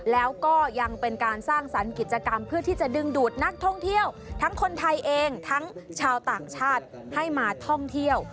แล้วก็ยังเป็นการสร้างสรรค์กิจกรรมเพื่อที่จะดึงดูดนักท่องเที่ยวทั้งคนไทยเองทั้งชาวต่างชาติให้มาท่องเที่ยว